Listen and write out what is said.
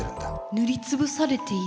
塗り潰されている。